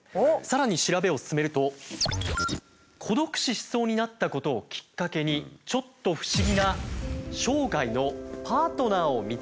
さらに調べを進めると孤独死しそうになったことをきっかけにちょっと不思議な生涯のパートナーを見つけたという女性を見つけました。